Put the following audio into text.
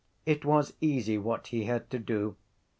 It was easy what he had to do.